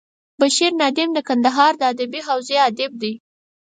بشیر نادم د کندهار د ادبي حوزې ادیب دی.